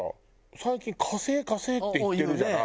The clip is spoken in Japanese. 最近火星火星って言ってるじゃない？